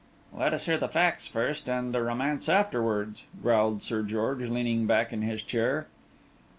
"Let us hear the facts first and the romance afterwards," growled Sir George, leaning back in his chair.